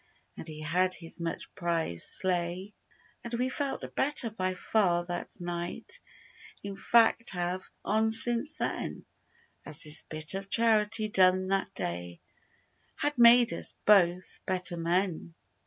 And he had his much prized sleigh. And we felt better by far that night In fact have, on since then; As this bit of charity done that day Had made us both, better men.